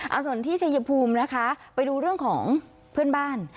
เอาส่วนที่ชัยภูมินะคะไปดูเรื่องของเพื่อนบ้าน